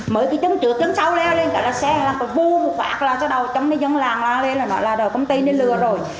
mới cái chân trước chân sau leo lên cả là xe vô vô phát là sau đó trong cái dân làng la lên là nói là công ty nên lừa rồi